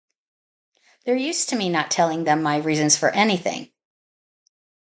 They’re used to me not telling them my reasons for anything.